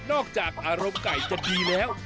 จากอารมณ์ไก่จะดีแล้ว